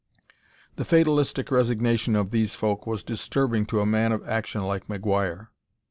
The fatalistic resignation of these folk was disturbing to a man of action like McGuire.